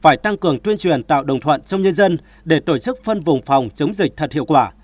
phải tăng cường tuyên truyền tạo đồng thuận trong nhân dân để tổ chức phân vùng phòng chống dịch thật hiệu quả